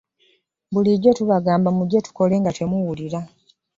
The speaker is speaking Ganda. Bulijjo tubagamba mujje tukole nga temuwulira.